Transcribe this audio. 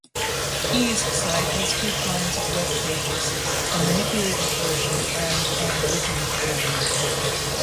P's site has two kinds of webpages: a manipulated version, and an original version.